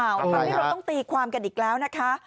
ทำให้เราต้องตีความกันอีกแล้วนะคะ